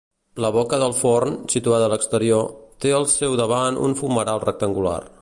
La boca del forn, situada a l'exterior, té al seu davant un fumeral rectangular.